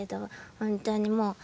本当にもう。